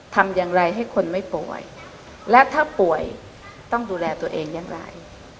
ทำอย่างไรให้คนไม่ป่วยและถ้าป่วยต้องดูแลตัวเองอย่างไร